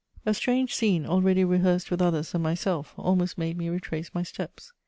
A strange scene, already rehearsed with others than myself, almost made me retrace my steps.